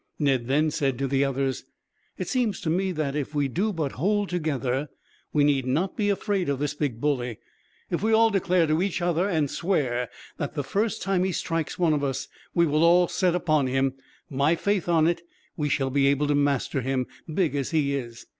Ned then said to the others: "It seems to me that, if we do but hold together, we need not be afraid of this big bully. If we all declare to each other and swear that, the first time he strikes one of us, we will all set upon him; my faith on it, we shall be able to master him, big as he is.